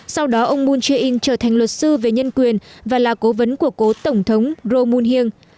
sau đó ông moon jae in trở thành luật sư về nhân quyền và là cố vấn của cố tổng thống roh moon hyang